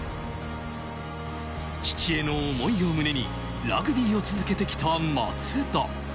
父への思いを胸に、ラグビーを続けてきた松田。